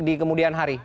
di kemudian hari